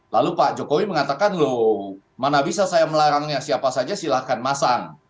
lalu pak jokowi mengatakan loh mana bisa saya melarangnya siapa saja silahkan masang